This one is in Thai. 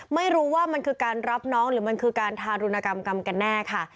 ไม่รู้ว่ามันคือการรับน้องหรือมันคือการทารุณกรรมกันแน่ค่ะ